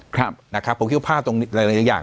ผมคิดว่าภาพตรงหลายอย่าง